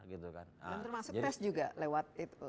termasuk tes juga lewat itu